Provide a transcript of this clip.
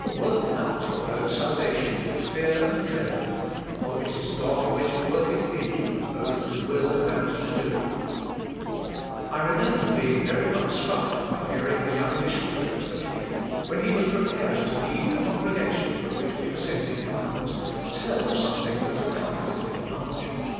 '*Work out your own salvation with fear and trembling for it is God which worketh in you both to will and to do." I remember being very much struck by hearing a young missionary at the Cape, when he was preparing to leave the congregation from which we were sending him out, tell of something that had comforted him much.